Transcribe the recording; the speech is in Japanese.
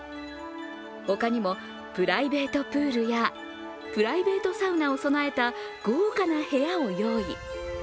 他にもプライベートプールやプライベートサウナを備えた豪華な部屋を用意。